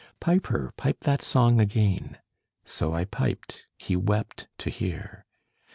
"Piper, pipe that song again:" So I piped; he wept to hear.